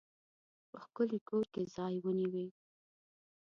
په ښکلي کور کې ځای ونیوی.